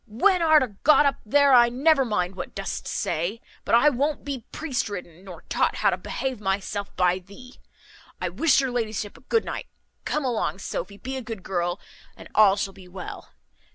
when art a got up there I never mind what dost say; but I won't be priest ridden, nor taught how to behave myself by thee. I wish your ladyship a good night. Come along, Sophy; be a good girl, and all shall be well.